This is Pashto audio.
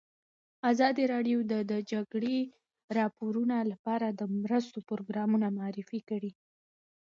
ازادي راډیو د د جګړې راپورونه لپاره د مرستو پروګرامونه معرفي کړي.